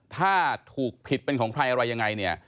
ถ้าถูกผิดเป็นของใครอะไรยังไงเนี่ย